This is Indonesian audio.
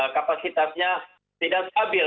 kapasitasnya tidak stabil